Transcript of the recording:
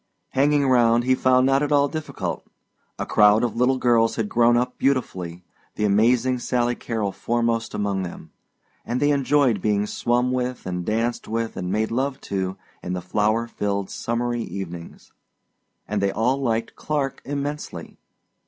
Hanging round he found not at all difficult; a crowd of little girls had grown up beautifully, the amazing Sally Carrol foremost among them; and they enjoyed being swum with and danced with and made love to in the flower filled summery evenings and they all liked Clark immensely.